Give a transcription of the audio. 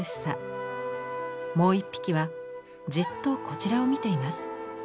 もう一匹はじっとこちらを見ています。